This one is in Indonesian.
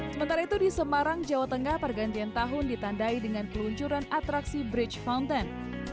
sementara itu di semarang jawa tengah pergantian tahun ditandai dengan peluncuran atraksi bridge fountain